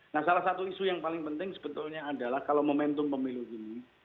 nah salah satu isu yang paling penting sebetulnya adalah kalau momentum pemilu ini